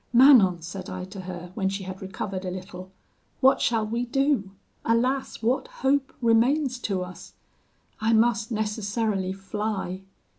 'Manon,' said I to her, when she had recovered a little, 'what shall we do? Alas, what hope remains to us? I must necessarily fly.